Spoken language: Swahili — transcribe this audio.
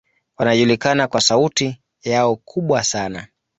Wanajulikana kwa sauti yao kubwa sana.